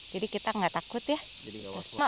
jadi kita nggak takut ya